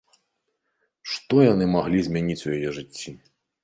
Што яны маглі змяніць у яе жыцці?